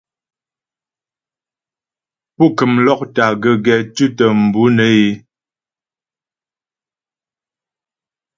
Pú kəm lɔ́kta gəgɛ tʉ̌tə mbʉ̌ nə́ é.